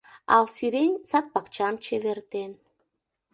Ал сирень сад-пакчам чевертен.